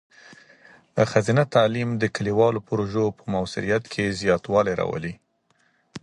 ښځینه تعلیم د کلیوالو پروژو په مؤثریت کې زیاتوالی راولي.